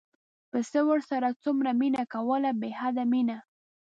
پسه ورسره څومره مینه کوله بې حده مینه.